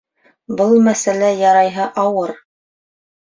Был мәсьәлә ярайһы ауыр